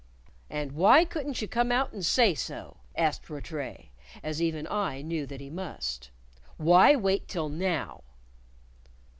"And why couldn't you come out and say so," asked Rattray, as even I knew that he must. "Why wait till now?"